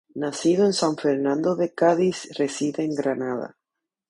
Nacido en San Fernando de Cádiz reside en Granada.